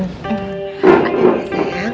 oke ya sayang